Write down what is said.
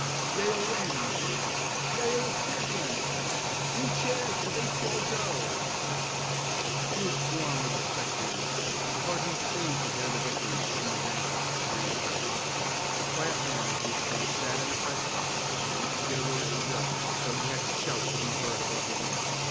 "Yale wins!" "Yale is champion!" "Three cheers for Baseball Joe!" The field swarmed with the spectators, who hardly stayed to hear the victors and vanquished cheer each other. The quiet man who had sat in the press box managed to get a word to Joe, though he had to shout to be heard above the din.